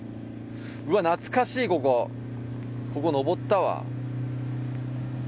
うわ懐かしいここここ上ったわ。